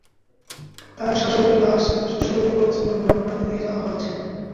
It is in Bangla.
তাঁর শাশুড়ির লাশ শ্বশুরের অ্যাম্বুলেন্সে করে গ্রামে বাড়িতে নিয়ে যাওয়া হয়েছে।